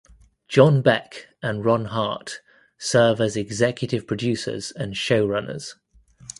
John Beck and Ron Hart serve as executive producers and showrunners.